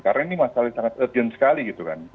karena ini masalah yang sangat urgent sekali gitu kan